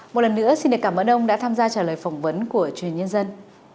một lần nữa xin cảm ơn ông đã tham gia trả lời phỏng vấn của truyền nhân dân